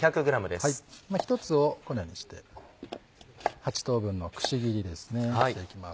１つをこのようにして８等分のくし切りですねしていきます。